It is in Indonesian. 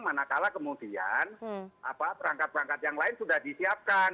manakala kemudian perangkat perangkat yang lain sudah disiapkan